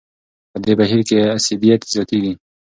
په دې بهیر کې اسیدیت زیاتېږي.